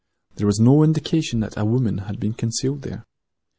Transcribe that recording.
"There was no sign that a woman had been concealed there.